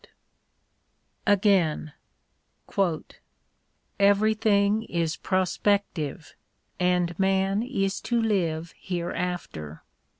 t Again : Everything is prospective, and man is to live hereafter.